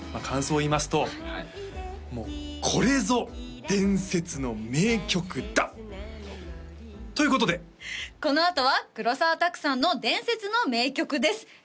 感想を言いますともうこれぞ伝説の名曲だ！ということでこのあとは黒澤拓さんの伝説の名曲です